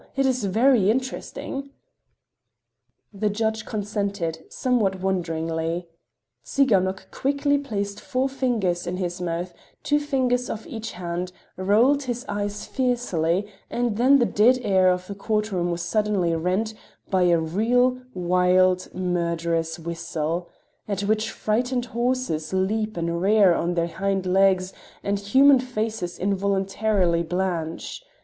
It is very interesting." The judge consented, somewhat wonderingly. Tsiganok quickly placed four fingers in his mouth, two fingers of each hand, rolled his eyes fiercely—and then the dead air of the courtroom was suddenly rent by a real, wild, murderer's whistle—at which frightened horses leap and rear on their hind legs and human faces involuntarily blanch.